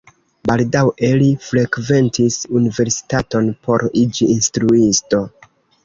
Baldaŭe li frekventis universitaton por iĝi instruisto.